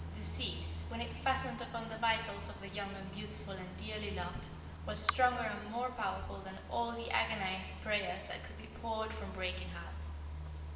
"Disease, when it fastened upon the vitals of the young and beautiful and dearly loved was stronger and more powerful than all the agonized prayers that could be poured from breaking hearts.